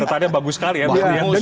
karena tadi bagus sekali ya